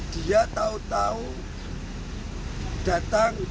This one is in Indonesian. dia tahu tahu datang